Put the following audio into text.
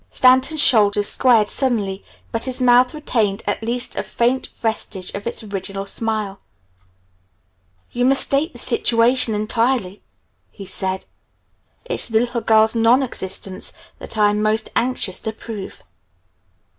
Stanton's shoulders squared suddenly but his mouth retained at least a faint vestige of its original smile. "You mistake the situation entirely," he said. "It's the little girl's non existence that I am most anxious to prove."